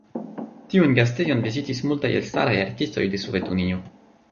Tiun gastejon vizitis multaj elstaraj artistoj de Sovetunio.